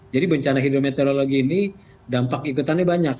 jadi bencana hidrometeorologi ini dampak ikutannya banyak